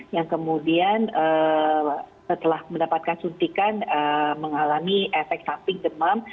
yang kemudian setelah mendapatkan suntikan mengalami efek samping demam